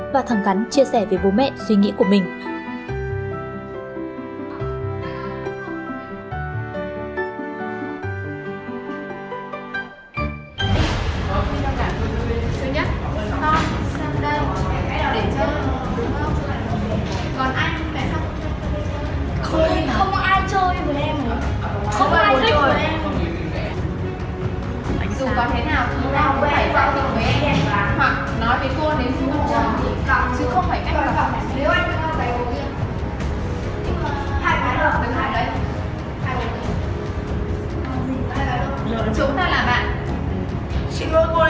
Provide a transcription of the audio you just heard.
và thầm gắn chia sẻ với bố mẹ suy nghĩ của mình